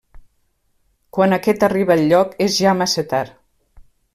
Quan aquest arriba al lloc, és ja massa tard.